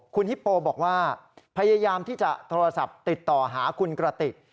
คุณฮิปโปบอกว่าพยายามที่จะโทรศัพท์ติดต่อหาคุณกระติก